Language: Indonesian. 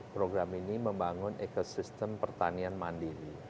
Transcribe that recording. program ini membangun ekosistem pertanian mandiri